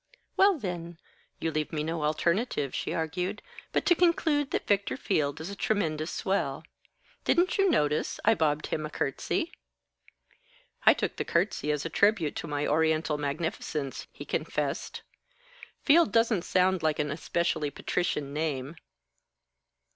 "Well, then, you leave me no alternative," she argued, "but to conclude that Victor Field is a tremendous swell. Didn't you notice, I bobbed him a curtsey?" "I took the curtsey as a tribute to my Oriental magnificence," he confessed. "Field doesn't sound like an especially patrician name.